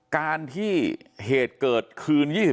การที่เหตุเกิดคืน๒๕